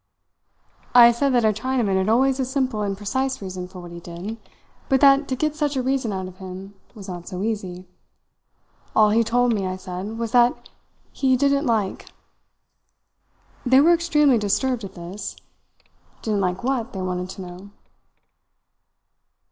"I said that a Chinaman had always a simple and precise reason for what he did, but that to get such a reason out of him was not so easy. All he told me, I said, was that he 'didn't like'. "They were extremely disturbed at this. Didn't like what, they wanted to know.